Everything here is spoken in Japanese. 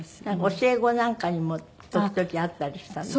教え子なんかにも時々会ったりしたんですって？